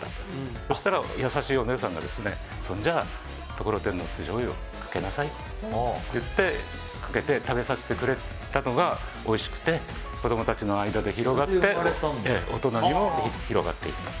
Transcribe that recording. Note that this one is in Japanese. そしたら優しいお姉さんが、それじゃあところてんの酢じょうゆをかけなさいって言って、かけて食べさせてくれたのがおいしくて子供たちの間で広がって大人にも広がっていった。